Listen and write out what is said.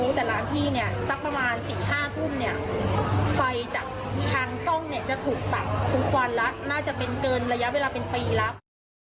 ไฟจากทางกล้องเนี้ยจะถูกแบบถูกควันแล้วน่าจะเป็นเกินระยะเวลาเป็นปีแล้ว